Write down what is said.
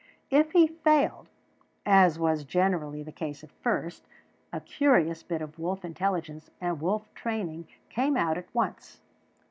If he failed, as was generally the case at first, a curious bit of wolf intelligence and wolf training came out at once.